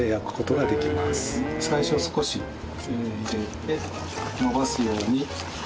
最初少し入れてのばすように。